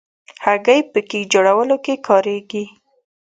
هګۍ په کیک جوړولو کې کارېږي.